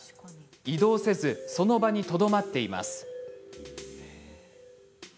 移動せずその場にとどまっています。